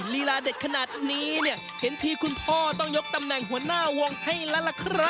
ลีลาเด็ดขนาดนี้เนี่ยเห็นทีคุณพ่อต้องยกตำแหน่งหัวหน้าวงให้แล้วล่ะครับ